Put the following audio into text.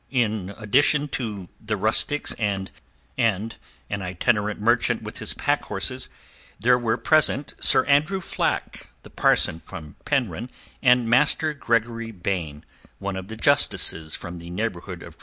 In addition to the rustics and an itinerant merchant with his pack horses, there were present Sir Andrew Flack, the parson from Penryn, and Master Gregory Baine, one of the Justices from the neighbourhood of Truro.